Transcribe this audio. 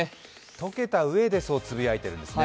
解けたうえで、そうつぶやいているんですね。